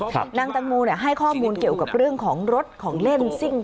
นางตังโมเนี่ยให้ข้อมูลเกี่ยวกับเรื่องของรถของเล่นซิ่ง